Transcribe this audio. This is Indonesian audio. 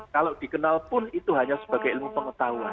kalau dikenal pun itu hanya sebagai ilmu pengetahuan